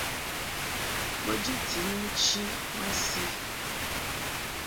Bo jiti ni nchi masi.